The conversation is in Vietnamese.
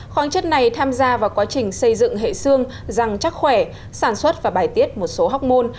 khoáng chất này tham gia vào quá trình xây dựng hệ xương răng chắc khỏe sản xuất và bài tiết một số học môn